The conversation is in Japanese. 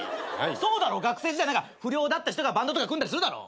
そうだろ学生時代不良だった人がバンドとか組んだりするだろ。